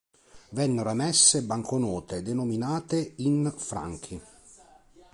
Vennero emesse banconote denominate in franchi.